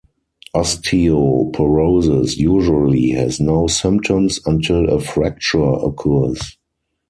Osteoporosis usually has no symptoms until a fracture occurs.